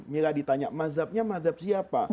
mila ditanya madhabnya madhab siapa